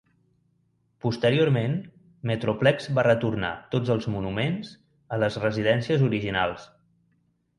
Posteriorment, Metroplex va retornar tots els monuments a les residències originals.